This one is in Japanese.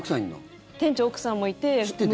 店長、奥さんもいて。